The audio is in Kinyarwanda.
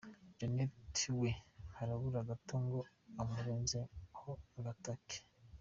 Janet we harabura gato ngo amurenze ho agataka.